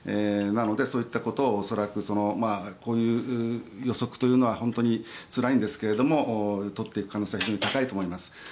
なのでそういったことを恐らくこういう予測というのは本当につらいんですが取っていく可能性は非常に高いと思います。